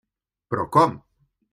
Però com?